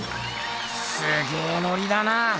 すげえノリだな。